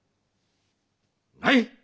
ない！